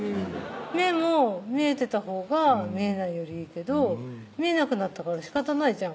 「目も見えてたほうが見えないよりいいけど見えなくなったからしかたないじゃん」